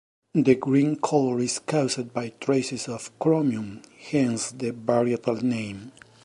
The green color is caused by traces of chromium, hence the varietal name.